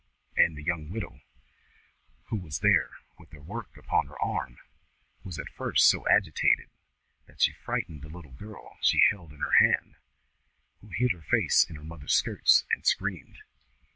And the young widow who was there with her work upon her arm was at first so agitated that she frightened the little girl she held in her hand, who hid her face in her mother's skirts and screamed.